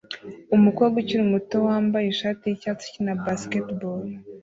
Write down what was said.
Umukobwa ukiri muto wambaye ishati yicyatsi ukina basketball